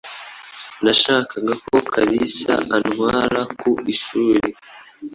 Nashakaga ko Kalisa antwara ku ishuri.